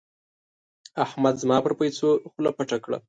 احمد زما پر پيسو خوله پټه کړه.